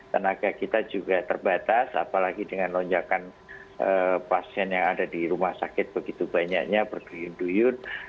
tenaga kita juga terbatas apalagi dengan lonjakan pasien yang ada di rumah sakit begitu banyaknya berduyun duyun